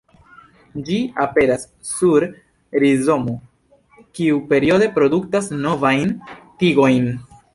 Ĝi aperas sur rizomo, kiu periode produktas novajn tigojn.